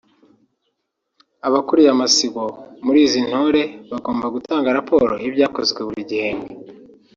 abakuriye amasibo muri izi ntore bagomba gutanga raporo y’ibyakozwe buri gihembwe